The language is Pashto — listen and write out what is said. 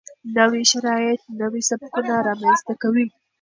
نوي شرایط نوي سبکونه رامنځته کوي.